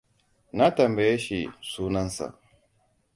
Na tambaye shi sunan sa.